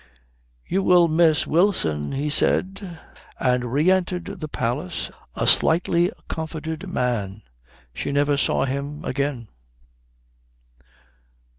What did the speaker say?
"You will miss Wilson," he said; and re entered the Palace a slightly comforted man. She never saw him again.